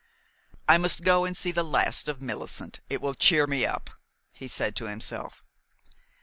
"I must go and see the last of Millicent. It will cheer me up," he said to himself.